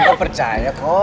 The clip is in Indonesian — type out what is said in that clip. gak percaya kok